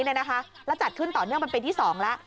แล้วจัดขึ้นต่อเนื่องเป็นปีที่๒แล้ว